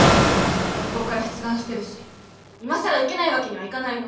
学校がら出願してるし今更受けないわけにはいかないの！